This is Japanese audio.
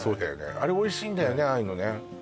あれおいしいんだよねああいうのね